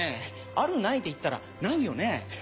あるないで言ったらないよね。